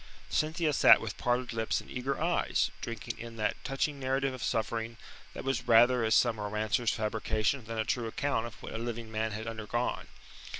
Cynthia sat with parted lips and eager eyes, drinking in that touching narrative of suffering that was rather as some romancer's fabrication than a true account of what a living man had undergone.